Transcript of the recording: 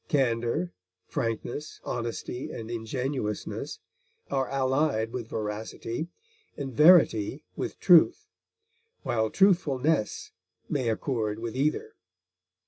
Candor, frankness, honesty, and ingenuousness are allied with veracity, and verity with truth, while truthfulness may accord with either.